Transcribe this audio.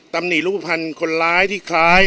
ตำหนิรูปภัณฑ์คนร้ายที่คล้าย